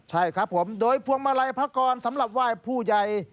ใช่ครับผมโดยพวงมาลัยพระกรสำหรับไหว้ผู้ใหญ่